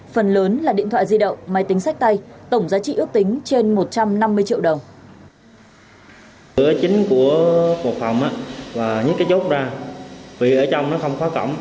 phần lớn là điện thoại di động máy tính sách tay tổng giá trị ước tính trên một trăm năm mươi triệu đồng